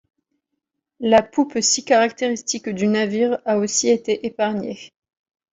La poupe si caractéristique du navire a aussi été épargnée.